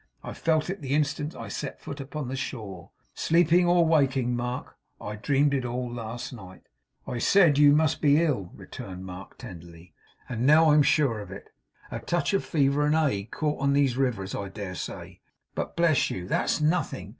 I felt it the instant I set foot upon the shore. Sleeping or waking, Mark, I dreamed it all last night.' 'I said you must be ill,' returned Mark, tenderly, 'and now I'm sure of it. A touch of fever and ague caught on these rivers, I dare say; but bless you, THAT'S nothing.